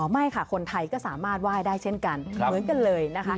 ไม่ค่ะคนไทยก็สามารถไหว้ได้เช่นกันเหมือนกันเลยนะคะ